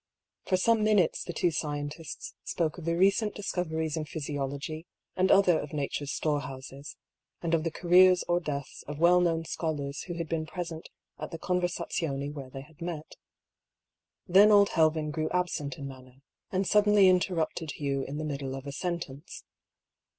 For some minutes the two scientists spoke of the recent discoveries in physiology and other of Nature's storehouses, and of the careers or deaths of well known scholars who had been present at the con Tersazione where they had met. Then old Helven grew^ absent in manner, and suddenly interrupted Hugh in the middle of a sentence.